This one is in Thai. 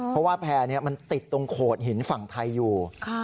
เพราะว่าแพร่มันติดตรงโขดหินฝั่งไทยอยู่